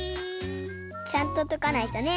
ちゃんととかないとね。